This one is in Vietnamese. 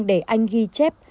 để anh ghi chép